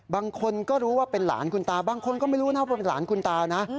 บางคนก็รู้ว่าเป็นหลานคุณตาบางคนก็ไม่รู้นะว่าเป็นหลานคุณตานะ